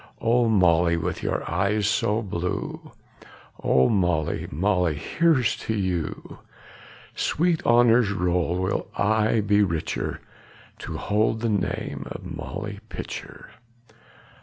Oh, Molly, with your eyes so blue! Oh, Molly, Molly, here's to you! Sweet honor's roll will aye be richer To hold the name of Molly Pitcher.